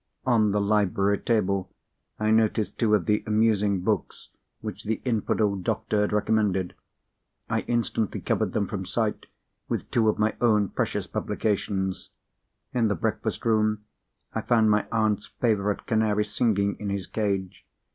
On the library table I noticed two of the "amusing books" which the infidel doctor had recommended. I instantly covered them from sight with two of my own precious publications. In the breakfast room I found my aunt's favourite canary singing in his cage.